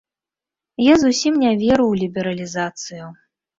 Я зусім не веру ў лібералізацыю.